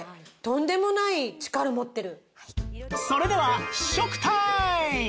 それでは試食タイム